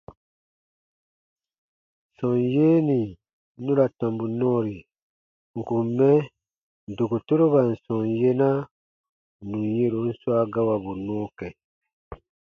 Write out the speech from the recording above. Sɔm yee nì nu ra tɔmbu nɔɔri ǹ kun mɛ dokotoroban sɔm yena nù yɛ̃ron swa gawabu nɔɔ kã.